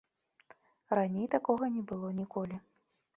Раней такога не было ніколі.